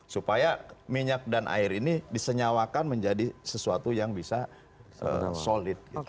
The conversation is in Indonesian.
supaya minyak dan air ini disenyawakan menjadi sesuatu yang bisa solid